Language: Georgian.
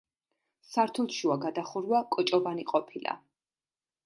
სართულშუა გადახურვა კოჭოვანი ყოფილა.